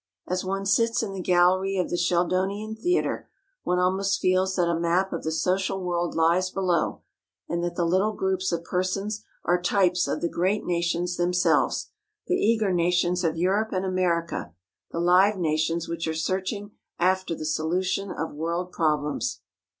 As one sits in the gallery of the Sheldonian Theater one almost feels that a map of the social world lies below, and that the little groups of persons are types of the great nations themselves: the eager nations of Europe and America, the live nations which are searching after the solution of world problems.